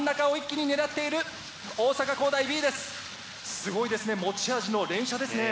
すごいですね持ち味の連射ですね。